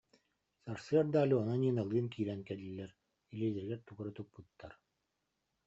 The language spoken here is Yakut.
Сарсыарда Алена Ниналыын киирэн кэллилэр, илиилэригэр тугу эрэ туппуттар